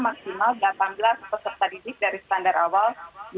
maksimal delapan belas persen dari standar awal